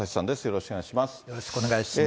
よろしくお願いします。